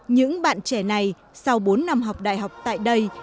những bạn trẻ này sau bốn năm học đại học tại đây